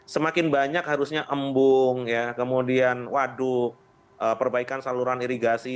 semakin banyak harusnya embung kemudian waduk perbaikan saluran irigasi